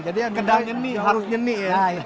jadi yang kedua harus nyemi ya